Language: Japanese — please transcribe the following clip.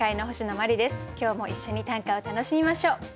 今日も一緒に短歌を楽しみましょう。